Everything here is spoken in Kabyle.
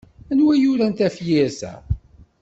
Anwa i yuran tafyirt a?